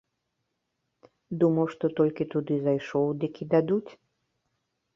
Думаў, што толькі туды зайшоў, дык і дадуць.